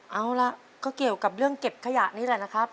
เอาล่ะก็เกี่ยวกับเรื่องเก็บขยะนี่แหละนะครับ